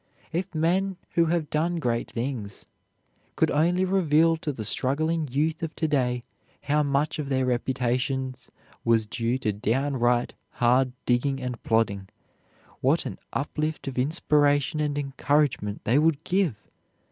If men who have done great things could only reveal to the struggling youth of to day how much of their reputations was due to downright hard digging and plodding, what an uplift of inspiration and encouragement they would give!